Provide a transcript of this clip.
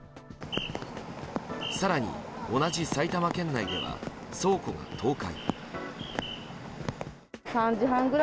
更に、同じ埼玉県内では倉庫が倒壊。